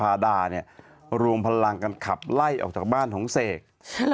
ดาเนี่ยรวมพลังกันขับไล่ออกจากบ้านของเสก